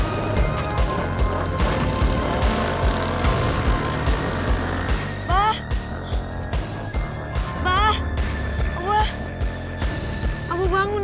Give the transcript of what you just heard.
abah abu bangun